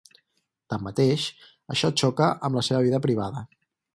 Tanmateix, això xoca amb la seva vida privada.